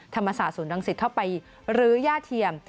ธรรมศาสตร์ศูนย์รังสิตเข้าไปรื้อย่าเทียม